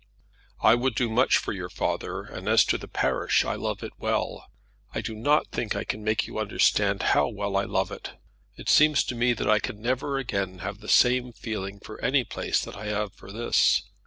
"I would do much for your father, and as to the parish I love it well. I do not think I can make you understand how well I love it. It seems to me that I can never again have the same feeling for any place that I have for this.